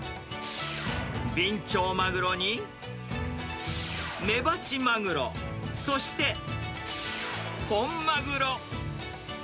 ビンチョウマグロに、メバチマグロ、そして、本マグロ。